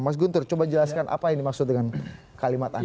mas guntur coba jelaskan apa yang dimaksud dengan kalimat anda